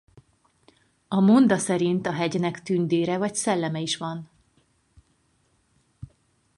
A monda szerint a hegynek tündére vagy szelleme is van.